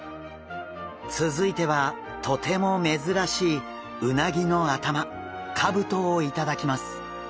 続いてはとても珍しいうなぎの頭かぶとを頂きます。